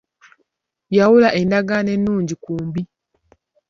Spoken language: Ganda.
Yawula endagaano ennungi ku mbi.